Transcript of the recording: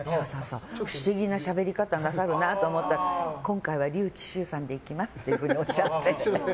不思議なしゃべり方をなさると思ったら今回は笠智衆さんで行きますっておっしゃって。